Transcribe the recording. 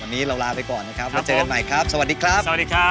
วันนี้เราลาไปก่อนครับเจอกันใหม่ครับสวัสดีครับ